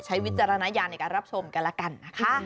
วิจารณญาณในการรับชมกันแล้วกันนะคะ